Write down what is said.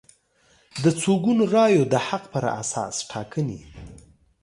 د څو ګونو رایو د حق پر اساس ټاکنې